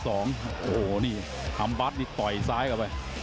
โอ้โฮนี่อัมบาทต่อยซ้ายกลับไป